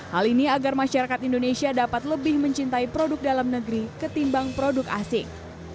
hal ini agar masyarakat indonesia dapat lebih mencintai produk dalam negeri ketimbang produk asing